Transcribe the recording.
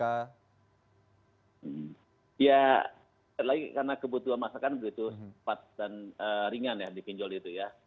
ya lagi karena kebutuhan masakan begitu cepat dan ringan ya di pinjol itu ya